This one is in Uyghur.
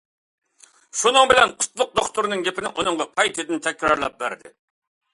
شۇنىڭ بىلەن قۇتلۇق دوختۇرنىڭ گېپىنى ئۇنىڭغا قايتىدىن تەكرارلاپ بەردى.